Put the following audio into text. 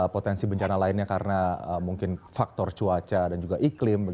potensi bencana lainnya karena mungkin faktor cuaca dan juga iklim